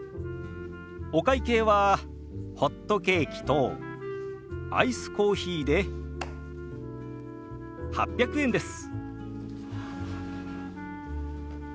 お会計はホットケーキとアイスコーヒーで８００円です。